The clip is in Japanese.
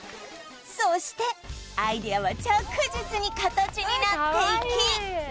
そしてアイデアは着実に形になっていき